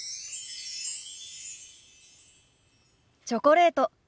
チョコレート。